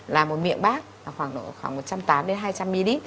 là một miệng bát khoảng một trăm tám mươi hai trăm linh ml